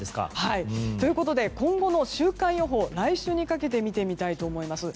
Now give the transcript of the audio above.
ということで今後の週間予報を来週にかけて見てみたいと思います。